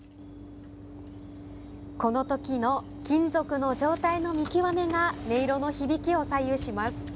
この時の金属の状態の見極めが音色の響きを左右します。